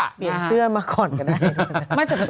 เปลี่ยนเสื้อมาก่อนก็ได้